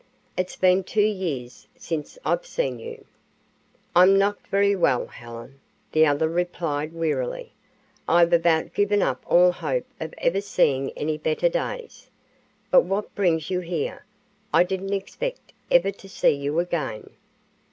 "It's been two years since I've seen you." "I'm not very well, Helen," the other replied, wearily. "I've about given up all hope of ever seeing any better days. But what brings you here? I didn't expect ever to see you again."